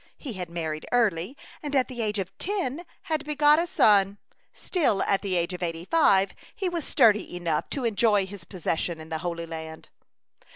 He had married early, and at the age of ten had begot a son, still at the age of eighty five he was sturdy enough to enjoy his possession in the Holy Land.